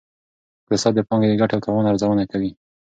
اقتصاد د پانګې د ګټې او تاوان ارزونه کوي.